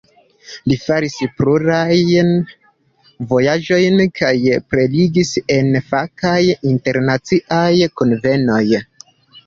Li faris plurajn vojaĝojn kaj prelegis en fakaj internaciaj kunvenoj.